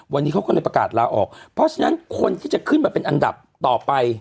วันนี้เขาก็เลยประกาศลาออกเพราะฉะนั้นคนที่จะขึ้นมาเป็นอันดับต่อไป